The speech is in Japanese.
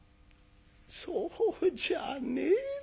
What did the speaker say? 「そうじゃねえだ。